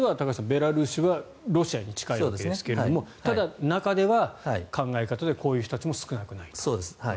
ベラルーシはロシアに近いわけですがただ、中では考え方でこういう人たちも少なくない。